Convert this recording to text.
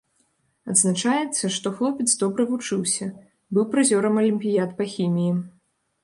Адзначаецца, што хлопец добра вучыўся, быў прызёрам алімпіяд па хіміі.